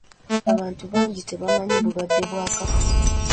Abantu bangi tebamanyi bulwadde bwa kafuba.